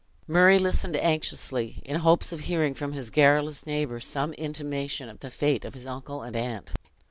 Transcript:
Murray listened anxiously, in hopes of hearing from his garrulous neighbors some intimation of the fate of his uncle and aunt.